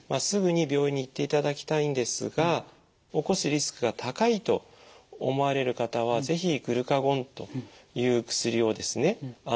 すぐに病院に行っていただきたいんですが起こすリスクが高いと思われる方は是非グルカゴンという薬をですね